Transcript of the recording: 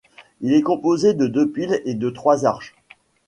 Il est composé de deux piles et de trois arches.